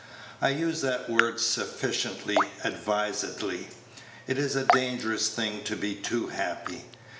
I use that word "sufficiently" advisedly. It is a dangerous thing to be too happy.